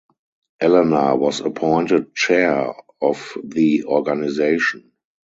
Elena was appointed chair of the organisation.